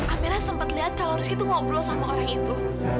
amela sempat lihat kalau rizky itu ngobrol sama orang itu